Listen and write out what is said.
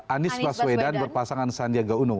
anies baswedan berpasangan sandiaga uno